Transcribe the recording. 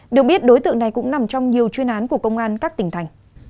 được biết đối tượng này cũng nằm trong nhiều chuyên án của công an các tỉnh thành